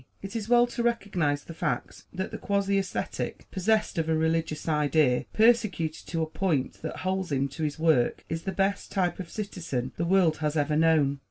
It is well to recognize the fact that the quasi ascetic, possessed of a religious idea, persecuted to a point that holds him to his work, is the best type of citizen the world has ever known.